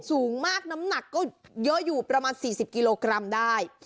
สูงมากน้ำหนักก็เยอะอยู่ประมาณ๔๐กิโลกรัมได้